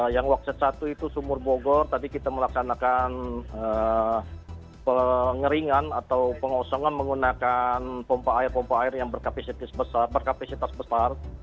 yang wakset satu itu sumur bogor tadi kita melaksanakan pengeringan atau pengosongan menggunakan pompa air pompa air yang berkapasitas besar